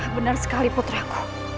benar sekali putraku